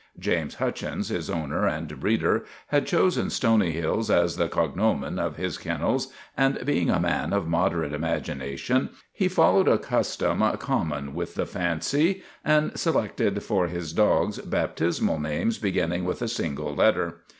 James Hutchins, his owner and breeder, had chosen Stony Hills as the cognomen of his ken nels, and, being a man of moderate imagination, he followed a custom common with the fancy and se lected for his dogs baptismal names beginning with a single letter.